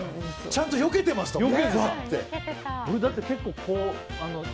ちゃんとよけてましたよね